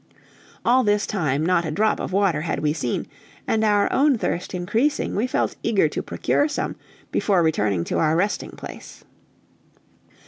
All this time not a drop of water had we seen, and our own thirst increasing, we felt eager to procure some before returning to our resting place.